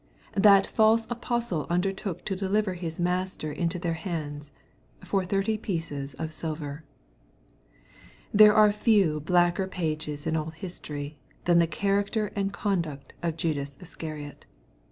That false apostle undertook to deliver his Master into their hands, for thirty pieces of silver. V There are few blacker pages in all history, than the character and conduct of Judas Iscariot.